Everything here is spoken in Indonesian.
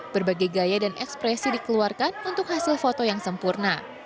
berbagai gaya dan ekspresi dikeluarkan untuk hasil foto yang sempurna